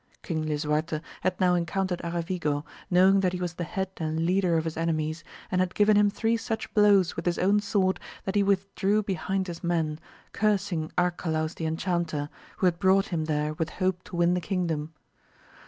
King Lisuarte had now encountered Aravigo, knowing that he was the head and leader of his enemies, and had given him three such blows with his own sword that he withdrew behind his men, cursing Arcalaus the Enchanter, who had brought him there with hope to win the kingdom.